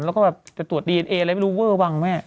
แล้วก็แบบจะตรวจดีเอนเออะไรไม่รู้เวอร์วังแม่